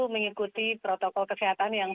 mengikuti protokol kesehatan yang